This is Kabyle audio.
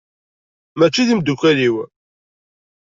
Mačči d imdukal-iw.